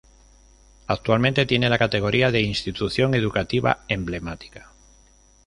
Actualmente tiene la categoría de Institución Educativa Emblemática.